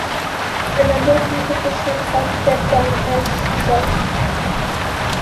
A number of these officials have stepped down as result.